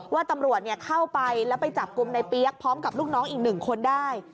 ว่าตำรวจเข้าไปแล้วไปจับกลุ่มในเปี๊ยกพร้อมกับลูกน้องอีก๑คนได้